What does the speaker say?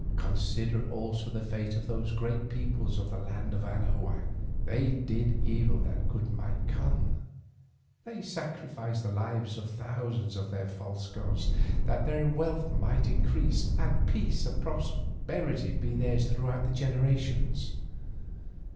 Consider also the fate of those great peoples of the land of Anahuac. They did evil that good might come. They sacrificed the lives of thousands to their false gods, that their wealth might increase, and peace and prosperity be theirs throughout the generations.